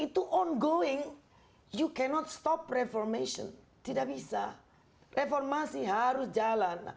itu on going you cannot stop reformation tidak bisa reformasi harus jalan